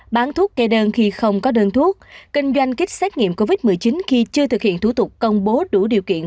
bán thuốc kê đơn khi không có đơn thuốc kinh doanh kích xét nghiệm covid một mươi chín khi chưa thực hiện thủ tục công bố đủ điều kiện